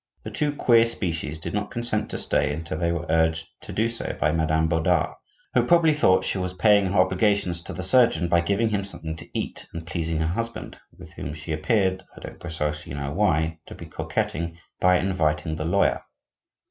The two queer species did not consent to stay until they were urged to do so by Madame Bodard, who probably thought she was paying her obligations to the surgeon by giving him something to eat, and pleasing her husband (with whom she appeared, I don't precisely know why, to be coquetting) by inviting the lawyer.